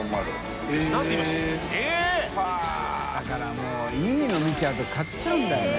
もういいの見ちゃうと買っちゃうんだよね。